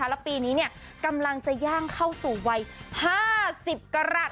แล้วละปีนี้เนี่ยกำลังจะย่างเข้าสู่วัยห้าสิบกรัฐ